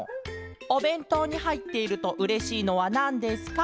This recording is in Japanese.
「おべんとうにはいっているとうれしいのはなんですか？